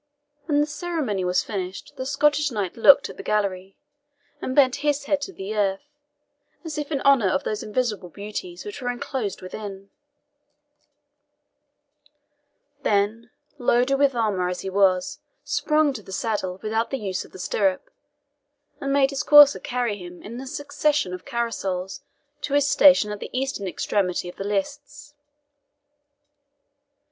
When the ceremony was finished, the Scottish Knight looked at the gallery, and bent his head to the earth, as if in honour of those invisible beauties which were enclosed within; then, loaded with armour as he was, sprung to the saddle without the use of the stirrup, and made his courser carry him in a succession of caracoles to his station at the eastern extremity of the lists.